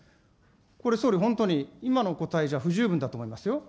これ、総理、本当に今のお答えじゃ不十分だと思いますよ。